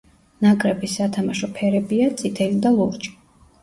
ნაკრების სათამაშო ფერებია: წითელი და ლურჯი.